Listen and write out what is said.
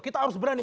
kita harus berani